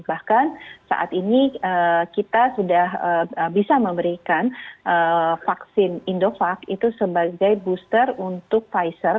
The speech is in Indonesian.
bahkan saat ini kita sudah bisa memberikan vaksin indovac itu sebagai booster untuk pfizer